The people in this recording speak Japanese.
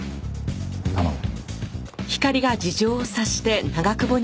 頼む。